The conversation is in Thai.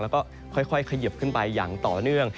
แล้วก็ค่อยเขยิบขึ้นไปอย่างต่อเนื่อง